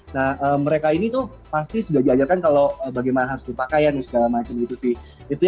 nah mereka ini tuh pasti sudah diajarkan kalau bagaimana harus berpakaian dan segala macam gitu sih